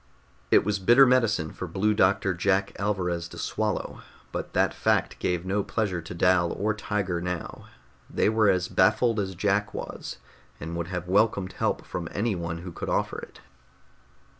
It was bitter medicine for Blue Doctor Jack Alvarez to swallow, but that fact gave no pleasure to Dal or Tiger now. They were as baffled as Jack was, and would have welcomed help from anyone who could offer it.